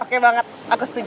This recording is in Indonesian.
oke banget aku setuju